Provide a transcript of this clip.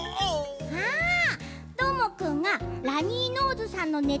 ああどーもくんがラニーノーズさんのネタ